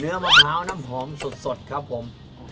มะพร้าวน้ำหอมสดครับผม